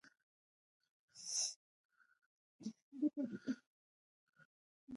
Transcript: باد له هوا سره ملګری دی